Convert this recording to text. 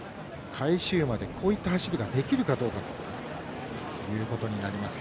返し馬でこういった走りができるかどうかということになります。